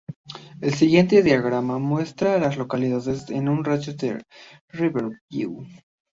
El siguiente diagrama muestra a las localidades en un radio de de Riverview.